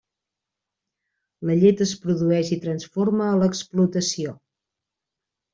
La llet es produeix i transforma a l'explotació.